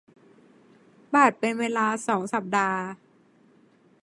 บาทเป็นเวลา สอง สัปดาห์